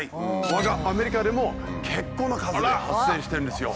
我がアメリカでも結構な数発生してるんですよ。